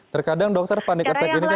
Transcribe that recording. terkadang dokter panik attack ini kan